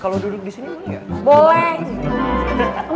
kalo duduk di sini boleh gak